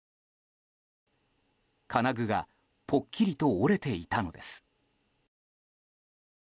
金具がぽっきりと折れていたのです。